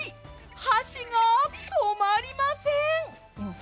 箸が止まりません。